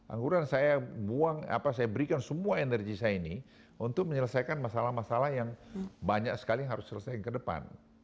angguran saya buang apa saya berikan semua energi saya ini untuk menyelesaikan masalah masalah yang banyak sekali harus selesaikan ke depan